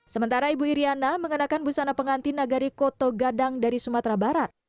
sementara ibu iryana mengenakan busana pengantin nagari koto gadang dari sumatera barat